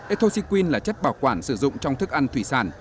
ethoxyquin là chất bảo quản sử dụng trong thức ăn thủy sản